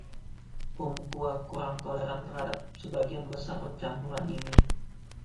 Umpqua kurang toleran terhadap sebagian besar percampuran ini.